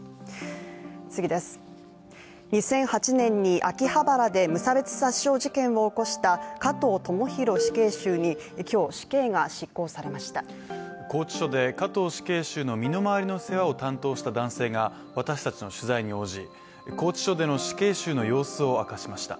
２００８年に秋葉原で無差別殺傷事件を起こした加藤智大死刑囚に今日、死刑が執行されました拘置所で加藤死刑囚の身の回りの世話を担当した男性が、私達の取材に応じ、拘置所での死刑囚の様子を明かしました。